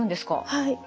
はい。